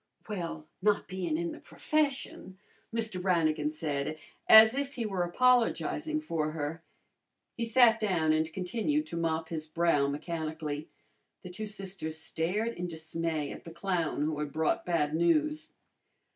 "Well, not bein' in the profession," Mr. Brannigan said as if he were apologizing for her. He sat down and continued to mop his brow mechanically. The two sisters stared in dismay at the clown who had brought bad news.